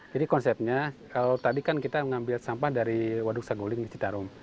jadi konsepnya kalau tadi kan kita mengambil sampah dari waduk saguling ke citarum